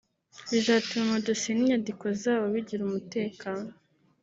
bizatuma amadosiye n’ inyandiko zabo bigira umutekano